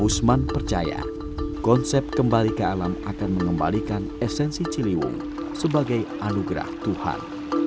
usman percaya konsep kembali ke alam akan mengembalikan esensi ciliwung sebagai anugerah tuhan